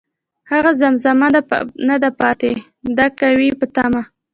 هغه زمزمه نه ده پاتې، ،دی که وي په تمه